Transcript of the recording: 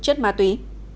chất ma túy